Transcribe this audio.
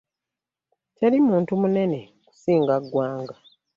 Teri muntu munene kusinga ggwanga.